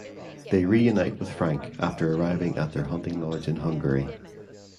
They reunite with Frank after arriving at their hunting lodge in Hungary.